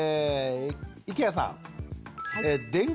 池谷さん。